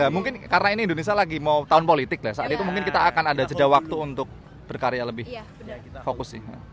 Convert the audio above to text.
mungkin karena ini indonesia lagi mau tahun politik lah saat itu mungkin kita akan ada jeda waktu untuk berkarya lebih fokus sih